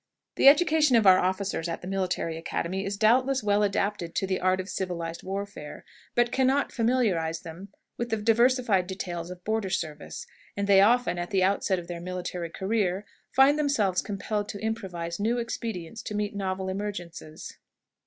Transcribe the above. The education of our officers at the Military Academy is doubtless well adapted to the art of civilized warfare, but can not familiarize them with the diversified details of border service; and they often, at the outset of their military career, find themselves compelled to improvise new expedients to meet novel emergences.